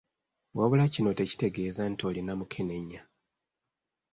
Wabula kino tekitegeeza nti olina mukenenya.